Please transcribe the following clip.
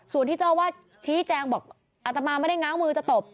ส่วนที่เจ้าวาดชี้แจงบอกอัตมาไม่ได้ง้างมือจะตบ